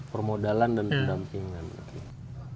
permodalan dan pendampingan